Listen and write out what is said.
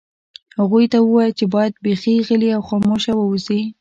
هغوی ته ووایه چې باید بیخي غلي او خاموشه واوسي